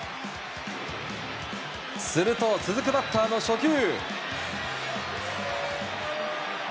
すると、続くバッターの初球。